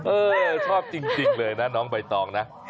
เออชอบจริงเลยนะน้องใบตองนะ